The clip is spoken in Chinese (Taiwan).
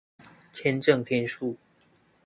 簽證天數